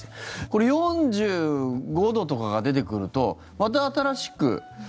これ、４５度とかが出てくるとまた新しく。